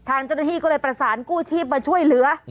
ทางเจ้าหน้าที่ก็เลยประสานกู้ชีพมาช่วยเหลือ